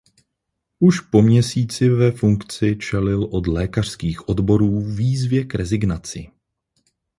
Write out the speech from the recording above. Už po měsíci ve funkci čelil od lékařských odborů výzvě k rezignaci.